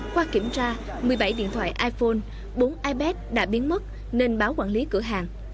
qua kiểm tra một mươi bảy điện thoại iphone bốn ipad đã biến mất nên báo quản lý cửa hàng